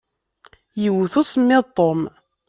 Iwwet usemmiḍ Ṭum.